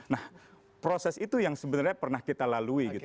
nah proses itu yang sebenarnya pernah kita lalui gitu